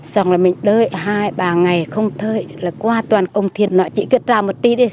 xong rồi mình đợi hai ba ngày không thơi là qua toàn ông thiền nói chị cứ trao một tí đi